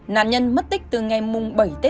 nạn nhân mất tích từ ngày bảy tết giáp thìn